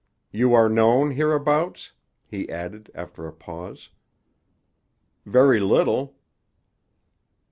"You are known, hereabouts?" he added, after a pause. "Very little."